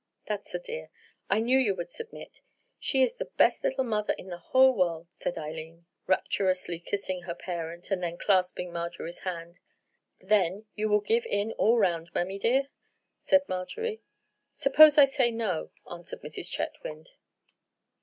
"That's a dear. I knew you would submit.—She is the best little mother in the whole world," said Eileen, rapturously kissing her parent, and then clasping Marjorie's hand. "Then, you will give in all round, mammy dear?" said Marjorie. "Suppose I say no?" answered Mrs. Chetwynd.